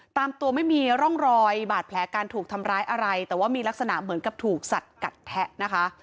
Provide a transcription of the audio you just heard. ตามตัวไม่มีร่องรอยบาดแผลการถูกทำร้ายอะไรแต่ว่ามีลักษณะเหมือนกับถูกสัดกัดแทะนะคะ